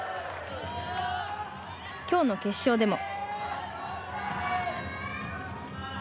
きょうの決勝でも。